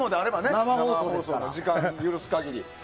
生放送の時間の許す限り。